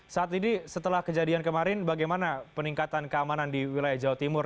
saat ini setelah kejadian kemarin bagaimana peningkatan keamanan di wilayah jawa timur